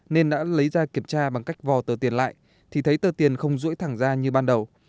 nên đã lấy ra kiểm tra bằng cách vò tờ tiền lại thì thấy tờ tiền không rũi thẳng ra như ban đầu